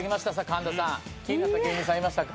神田さん気になった芸人さんいましたか？